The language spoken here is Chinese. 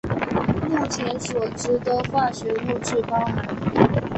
目前所知的化学物质包含。